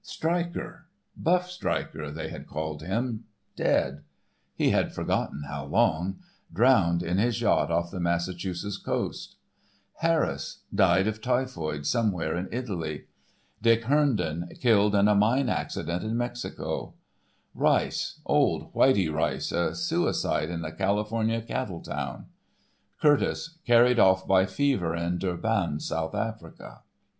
Stryker,—'Buff' Stryker they had called him, dead,—he had forgotten how long,—drowned in his yacht off the Massachusetts coast; Harris, died of typhoid somewhere in Italy; Dick Herndon, killed in a mine accident in Mexico; Rice, old 'Whitey Rice' a suicide in a California cattle town; Curtice, carried off by fever in Durban, South Africa."